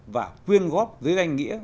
và quyên góp với danh nghĩa